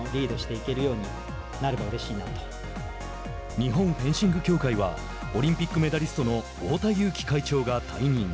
日本フェンシング協会はオリンピックメダリストの太田雄貴会長が退任。